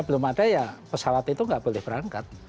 belum ada ya pesawat itu nggak boleh berangkat